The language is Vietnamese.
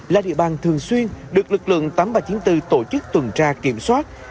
lực lượng tám nghìn ba trăm chín mươi bốn tổ chức tuần tra kiểm soát